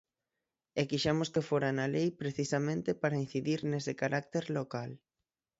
E quixemos que fora na lei, precisamente, para incidir nese carácter local.